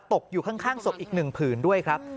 ตกอยู่ข้างศพอีก๑ผืนด้วยครับ